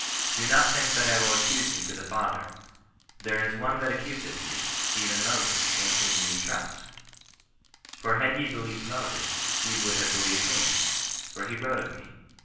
Do not think that I will accuse you to the CHRISTIAN NON RESISTANCE. 51 father : there is one that accuseth you, even Moses, in wkom ye trust. For had ye believed Moses, ye would have believed me : for he wrote of me.